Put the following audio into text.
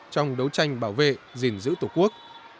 trong đấu tranh bảo vệ giữ tổ quốc